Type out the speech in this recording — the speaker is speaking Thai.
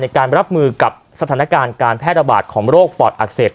การรับมือกับสถานการณ์การแพร่ระบาดของโรคปอดอักเสบ